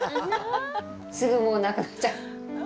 すぐもうなくなっちゃう。